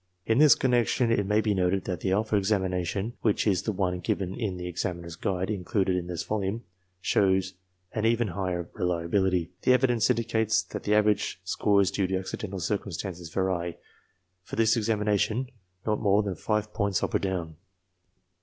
In this connection, it may be noted that the alpha examination, which is the one given in the Examiner's Guide included in this volume, shows an even higher reliability. The evidence indicates that the average scores due to accidental circumstances vary, for this examination, not more than five points up or down.